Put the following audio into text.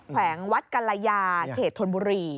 แขวงวัดกรยาเขตธนบุรี